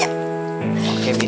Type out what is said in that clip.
ya udah deh bik